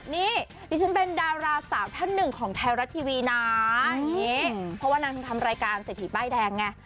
นี่ดิฉันเป็นดาราสาวท่านหนึ่งของไทยรัฐทีวีนะอย่างนี้เพราะว่านางทำรายการเศรษฐีป้ายแดงไง